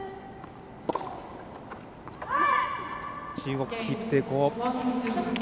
中国、キープ成功。